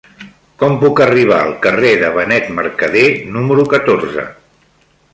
Com puc arribar al carrer de Benet Mercadé número catorze?